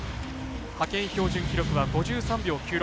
派遣標準記録は５３秒９６。